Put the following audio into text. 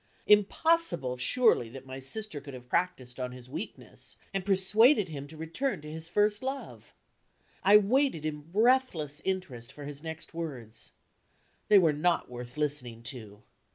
Impossible surely that my sister could have practiced on his weakness, and persuaded him to return to his first love! I waited, in breathless interest, for his next words. They were not worth listening to.